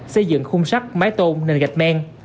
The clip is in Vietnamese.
xây dựng khung sắt mái tôn nền gạch men